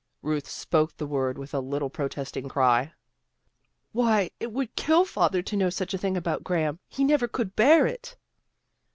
" Ruth spoke the word with a little protesting cry. " Why, it would kill father to know such a thing about Graham. He never could bear it."